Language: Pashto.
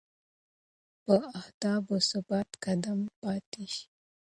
په اهدافو ثابت قدم پاتې شئ.